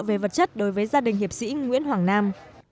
về vật chất đối với gia đình hiệp sĩ nguyễn hoàng nam